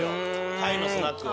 タイのスナックは。